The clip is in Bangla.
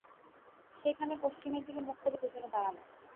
সেইখানে পশ্চিমের দিকে মুখ করে দুজনে দাঁড়াল।